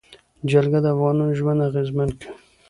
جلګه د افغانانو ژوند اغېزمن کوي.